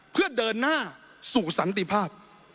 เพื่อเดินหน้าสู่สันติภาพ